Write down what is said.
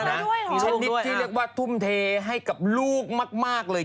ชั่นนิดที่ว่าทุ่มเทให้กับลูกมากเลย